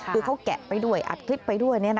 คือเขาแกะไปด้วยอัดคลิปไปด้วย